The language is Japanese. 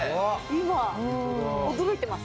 今驚いてます。